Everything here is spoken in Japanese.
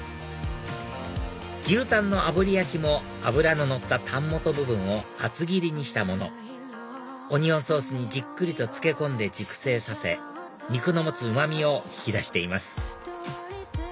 牛たんの炙り焼きも脂ののったタン元部分を厚切りにしたものオニオンソースにじっくりと漬け込んで熟成させ肉の持つうまみを引き出しています